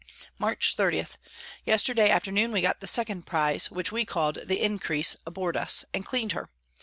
Mar. 30. Yesterday afternoon we got the second Prize (which we call'd the Increase) aboard us, and clean'd her.